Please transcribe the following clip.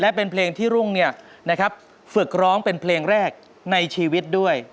และเป็นเพลงที่รุ่งฝึกร้องเป็นเพลงแรกในชีวิตด้วย